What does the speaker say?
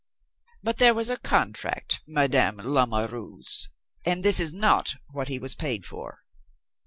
But there was a contract, Madame I'Amoureuse, and this is not what he was paid for."